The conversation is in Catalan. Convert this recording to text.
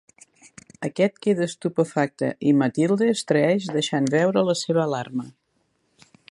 Aquest queda estupefacte i Matilde es traeix deixant veure la seva alarma.